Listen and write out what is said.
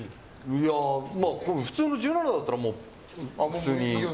いや、普通の１７だったら普通に。